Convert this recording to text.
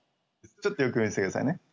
ちょっとよく見てて下さいね。